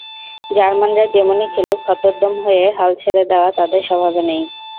জার্মানরা যেমনই খেলুক, হতোদ্যম হয়ে হাল ছেড়ে দেওয়া তাঁদের স্বভাবে নেই।